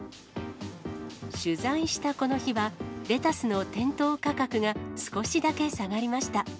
取材したこの日は、レタスの店頭価格が少しだけ下がりました。